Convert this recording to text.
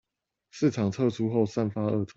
市場撤出後散發惡臭